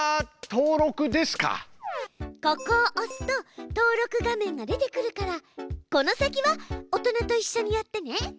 ここを押すと登録画面が出てくるからこの先は大人といっしょにやってね。